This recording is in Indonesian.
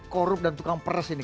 korup dan tukang pers ini